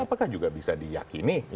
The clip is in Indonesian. apakah juga bisa diyakini